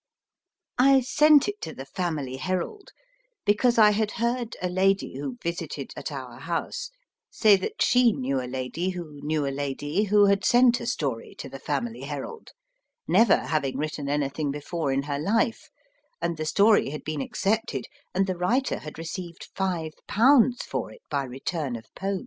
I sent it to the Family Herald because I had heard a lady who visited at our house say that she knew a lady who knew a lady who had sent a story to the Family Herald, never having written anything before in her life, and the story had been accepted, and the writer had received five pounds for it by return of post.